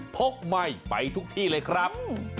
พบใหม่ไปทุกที่เลยครับ